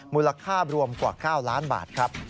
มูลค่ารวมกว่า๙ล้านบาทครับ